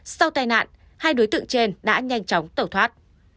sau tai nạn hai đối tượng trên đã nhanh chóng tẩu thoát